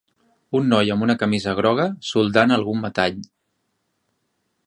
Un noi amb una camisa groga soldant algun metall.